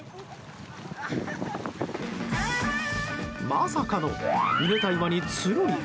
まさかの、ぬれた岩につるり。